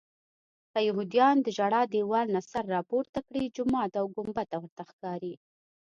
که یهودیان د ژړا دیوال نه سر راپورته کړي جومات او ګنبده ورته ښکاري.